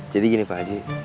jadi gini pak haji